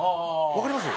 わかります？